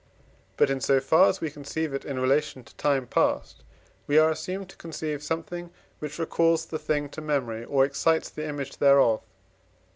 But, in so far as we conceive it in relation to time past, we are assumed to conceive something, which recalls the thing to memory, or excites the image thereof (II.